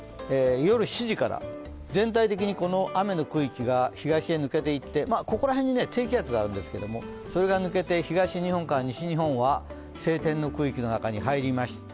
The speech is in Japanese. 夜７時から、全体的に雨の区域が東へ抜けていってここら辺に低気圧があるんですけれども、これが抜けて東日本から西日本は晴天の区域の中に入ります。